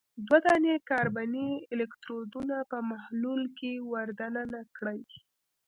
دوه دانې کاربني الکترودونه په محلول کې ور د ننه کړئ.